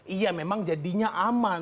iya memang jadinya aman